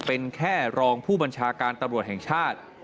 เป็นแค่รองผู้บัญชาการตำรวจแห่งชาติ